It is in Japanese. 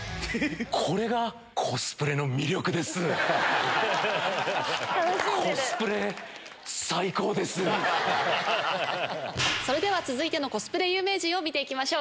これが。それでは続いてのコスプレ有名人見て行きましょう。